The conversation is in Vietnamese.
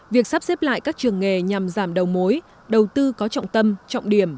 việc sắp xếp lại các trường nghề nhằm giảm đầu mối đầu tư có trọng tâm trọng điểm